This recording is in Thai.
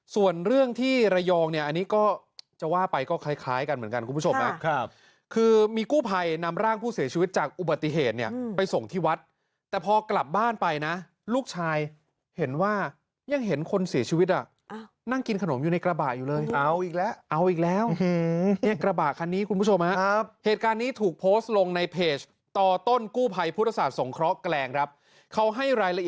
ส่วนเรื่องที่ระยองเนี่ยอันนี้ก็จะว่าไปก็คล้ายกันเหมือนกันคุณผู้ชมครับคือมีกู้ภัยนำร่างผู้เสียชีวิตจากอุบัติเหตุเนี่ยไปส่งที่วัดแต่พอกลับบ้านไปนะลูกชายเห็นว่ายังเห็นคนเสียชีวิตอ่ะนั่งกินขนมอยู่ในกระบะอยู่เลยเอาอีกแล้วเอาอีกแล้วเนี่ยกระบะคันนี้คุณผู้ชมครับเหตุการณ์นี้ถูกโพสต์ลงใ